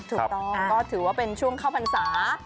ถูกต้องก็ถือว่าเป็นช่วงเข้าพรรษา